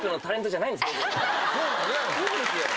そうですね。